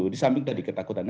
disamping dari ketakutan